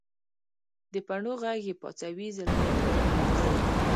دپڼو ږغ یې پاڅوي زلمي د کهف دخوبه